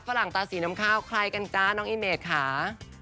ฝรั่งตาสีน้ำข้าวใครกันจ๊ะน้องอิเมดค่ะ